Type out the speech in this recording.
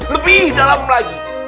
lebih dalam lagi